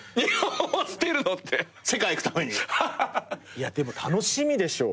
いやでも楽しみでしょ。